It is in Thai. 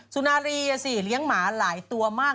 สุนารีสิเลี้ยงหมาหลายตัวมาก